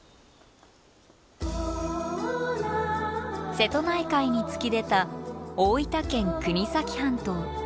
瀬戸内海に突き出た大分県国東半島。